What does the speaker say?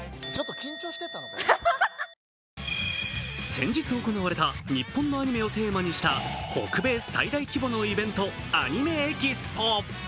先日行われた日本のアニメをテーマにした北米最大規模のイベントアニメエキスポ。